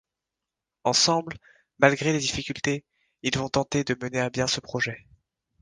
Ensemble, malgré les difficultés, ils vont tenter de mener à bien ce projet...